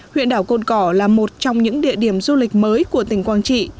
huyện đảo côn cỏ là một trong những địa điểm du lịch mới của tỉnh quang trị